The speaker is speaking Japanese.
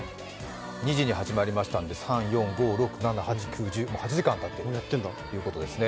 ２時に始まりましたので、もう８時間たっているということですね。